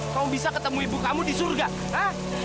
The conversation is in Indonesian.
kamu bisa ketemu ibu kamu di surga ah